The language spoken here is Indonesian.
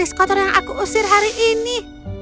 itu adalah gadis kotor yang aku usir hari ini